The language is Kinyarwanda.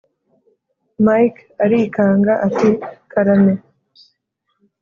mike arikanga ati"karame"